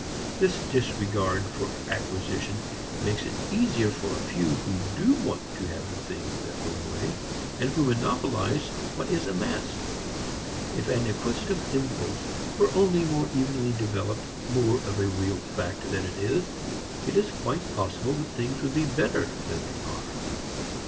This disregard for acquisition makes it easier for a few who do want to have things their own way, and who monopolize what is amassed. If an acquisitive impulse were only more evenly developed, more of a real fact, than it is, it is quite possible that things would be better than they are.